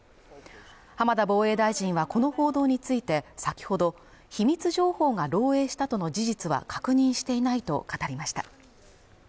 浜田防衛大臣はこの報道について先ほど秘密情報が漏洩したとの事実は確認していないと語りました